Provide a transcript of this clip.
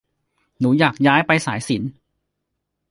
หนูอยากย้ายไปสายศิลป์